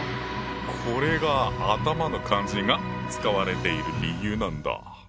これが「頭」の漢字が使われている理由なんだ。